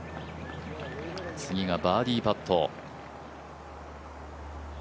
次がバーディーパット。